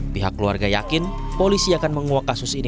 pihak keluarga yakin polisi akan menguak kasus ini